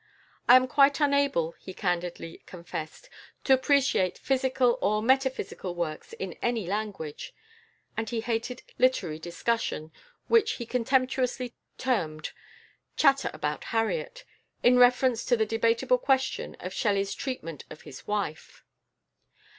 "I am quite unable," he candidly confessed, "to appreciate physical or metaphysical works in any language," and he hated literary discussion, which he contemptuously termed "Chatter about Harriet," in reference to the debatable question of Shelley's treatment of his wife.